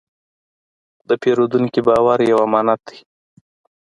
د پیرودونکي باور یو امانت دی.